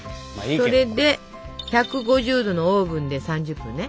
それで１５０℃のオーブンで３０分ね。